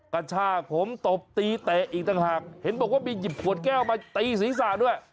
กระชากผมตบตีเตะอีกต่างหากเห็นบอกว่ามีหยิบขวดแก้วมาตีศีรษะด้วย